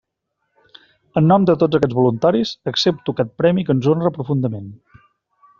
En nom de tots aquests voluntaris accepto aquest premi que ens honra profundament.